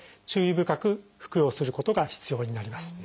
深く服用することが必要になります。